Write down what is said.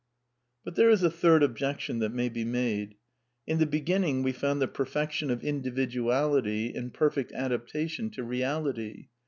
But there is a third objection that may be made. In the beginning we found the perfection of individualily in perfect adaptation to reality.